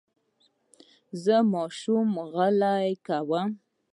زه ماشوم غلی کوم.